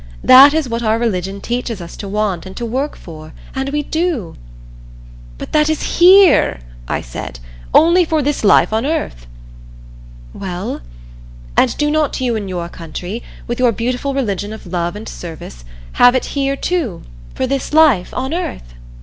That is what our religion teaches us to want and to work for, and we do!" "But that is here," I said, "only for this life on earth." "Well? And do not you in your country, with your beautiful religion of love and service have it here, too for this life on earth?"